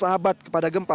sahabat kepada gempa